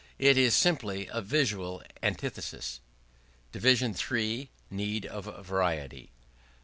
It is simply a visual antithesis. iii. Need of Variety.